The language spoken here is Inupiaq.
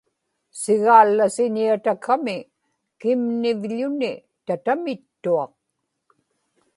sigaallasiñiatakami kimnivḷuni tatamittuaq